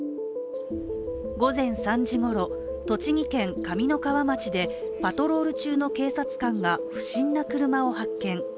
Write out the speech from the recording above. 午前３時ごろ、栃木県上三川町でパトロール中の警察官が不審な車を発見。